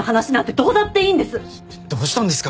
どどうしたんですか？